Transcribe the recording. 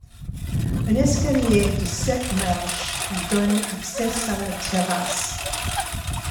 Un escalier de sept marches donne accès à la terrasse.